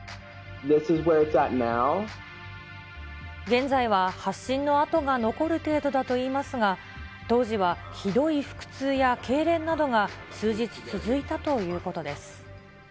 現在は発疹の跡が残る程度だといいますが、当時はひどい腹痛やけいれんなどが数日、続いたということです。